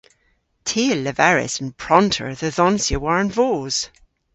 Ty a leveris an pronter dhe dhonsya war an voos.